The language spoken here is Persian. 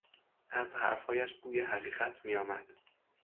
از حرفهایش بوی حقیقت میآمد.